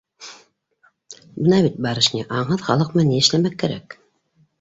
— Бына бит, барышня, аңһыҙ халыҡ менән ни эшләмәк кәрәк?